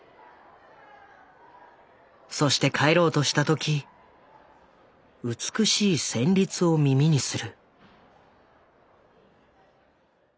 そして帰ろうとした時美しい旋律を耳にする。